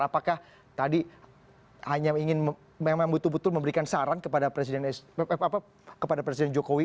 apakah tadi hanya ingin memang betul betul memberikan saran kepada presiden jokowi